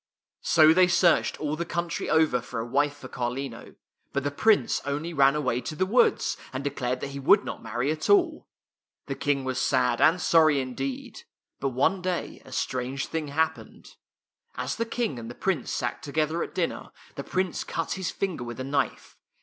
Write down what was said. So they searched all the country over for a wife for Carlino; but the Prince only ran [ 1 ] FAVORITE FAIRY TALES RETOLD away to the woods, and declared that he would not marry at all. The King was sad and sorry indeed. But one day a strange thing happened. As the King and the Prince sat together at dinner, the Prince cut his finger with a knife.